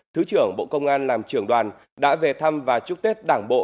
thứ trưởng bộ công an làm trưởng đoàn đã về thăm và chúc tết đảng bộ